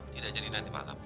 tidak jadi nanti malam